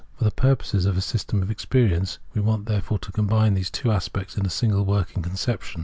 For the purposes of a system of experience we must therefore combine those two aspects in a single working conception.